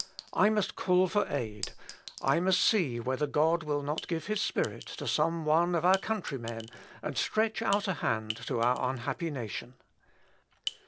I must call for aid; I must see whether God will not give his Spirit to some one of our countrymen, and stretch out a hand to our unhappy nation.